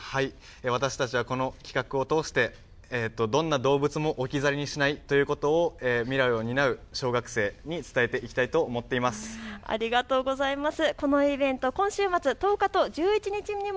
私たちはこの企画を通してどんな動物も置き去りにしないということを未来を担う小学生に伝えていきたいと思っています。